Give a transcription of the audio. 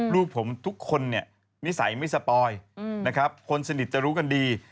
ลูกผมทุกคนนิสัยไม่สปอยคนสนิทจะรู้กันดี